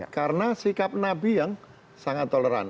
karena sikap nabi yang sangat toleran